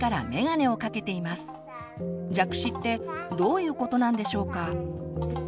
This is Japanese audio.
「弱視」ってどういうことなんでしょうか。